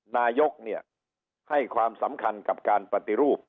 นายกให้ความสำคัญกับการปฏิรูป